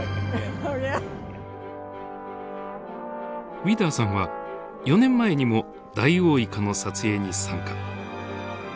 ウィダーさんは４年前にもダイオウイカの撮影に参加。